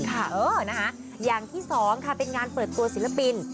เออนะคะอย่างที่สองค่ะเป็นงานเปิดตัวศิลปิน